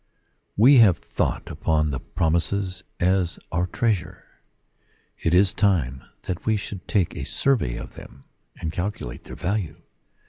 E have thought upon the promises as our treasure : it is time that we should take a survey of them, and calculate their walue.